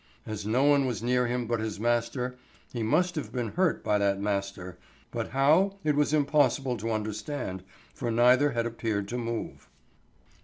As no one was near him but his master, he must have been hurt by that master, but how, it was impossible to understand, for neither had appeared to move.